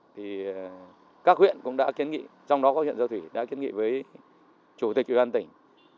thì các huyện cũng đã kiến nghị trong đó có huyện giao thủy đã kiến nghị với chủ tịch ủy ban tỉnh